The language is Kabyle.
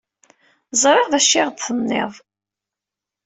Ẓriɣ d acu i aɣ-d-tenniḍ.